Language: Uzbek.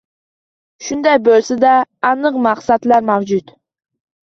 Shunday bo‘lsa-da, aniq maqsadlar mavjud.